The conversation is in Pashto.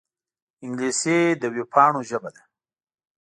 انګلیسي د وېبپاڼو ژبه ده